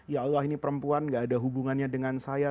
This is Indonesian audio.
ya allah ini perempuan gak ada hubungannya dengan saya